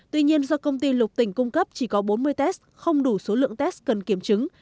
tuy nhiên do công ty lục tỉnh cung cấp chỉ có bốn mươi test không đủ số lượng test cần kiểm chứng